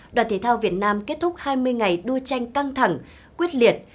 đoàn thể thao việt nam kết thúc hai mươi ngày đua tranh căng thẳng quyết liệt